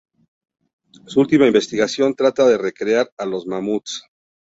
Su última investigación trata de recrear a los mamuts.